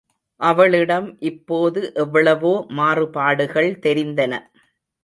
அவளிடம் இப்போது எவ்வளவோ மாறுபாடுகள் தெரிந்தன.